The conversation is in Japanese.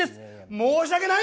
申し訳ない！」。